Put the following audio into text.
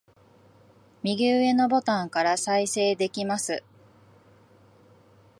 右上のボタンから再生できます